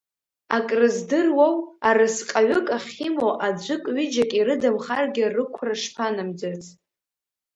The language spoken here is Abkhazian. Акрыздыруоу, арысҟаҩык ахьимоу аӡәык ҩыџьак ирыдамхаргьы рықәра шԥанамӡац.